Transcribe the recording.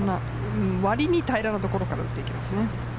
割に平らな所から打っていきますね。